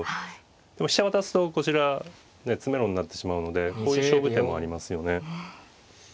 でも飛車渡すとこちら詰めろになってしまうのでこういう勝負手もありますよね。